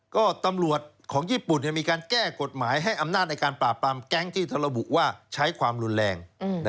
ก็ตำรวจของญี่ปุ่นมีการแก้กฎหมายให้อำนาจในการปราบปรามแก๊งที่ระบุว่าใช้ความรุนแรง